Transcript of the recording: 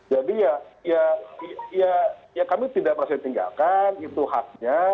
jadi ya ya ya ya kami tidak merasa ditinggalkan itu haknya